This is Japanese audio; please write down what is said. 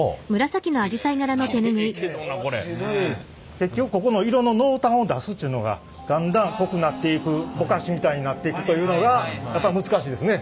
結局ここの色の濃淡を出すっちゅうのがだんだん濃くなっていくぼかしみたいになっていくというのがやっぱ難しいですね。